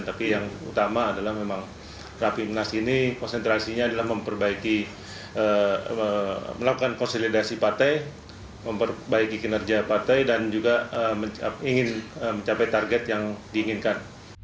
tapi yang utama adalah memang rapimnas ini konsentrasinya adalah memperbaiki melakukan konsolidasi partai memperbaiki kinerja partai dan juga ingin mencapai target yang diinginkan